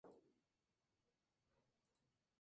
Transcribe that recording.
Las instalaciones del club eran de segunda clase.